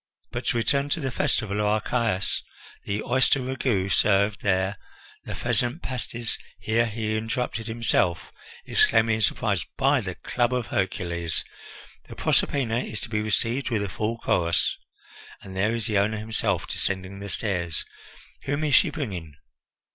But to return to the festival of Archias: the oyster ragout served there, the pheasant pasties " Here he interrupted himself, exclaiming in surprise: "By the club of Hercules, the Proserpina is to be received with a full chorus! And there is the owner himself descending the stairs! Whom is she bringing?"